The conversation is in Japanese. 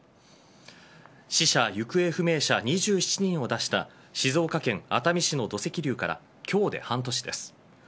死者、行方不明者２７人を出した静岡県熱海市の土石流から今日で半年です。